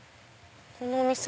このお店？